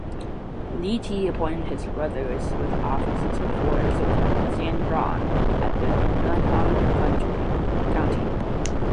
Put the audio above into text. Li Te appointed his brothers with offices before assaulting Xin Ran at Guanghan County.